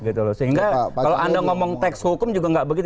sehingga kalau anda ngomong teks hukum juga nggak begitu